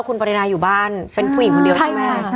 คุณปรินาอยู่บ้านเป็นผู้หญิงคนเดียวใช่ไหม